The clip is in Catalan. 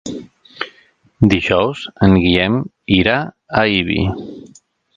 Dijous en Guillem irà a Ibi.